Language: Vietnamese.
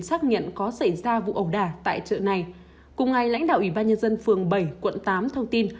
xác nhận có xảy ra vụ ẩu đả tại chợ này cùng ngày lãnh đạo ủy ban nhân dân phường bảy quận tám thông tin